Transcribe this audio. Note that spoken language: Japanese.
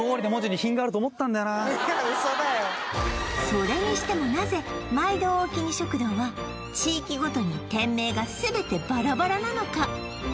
それにしてもなぜまいどおおきに食堂は地域ごとに店名が全てバラバラなのか？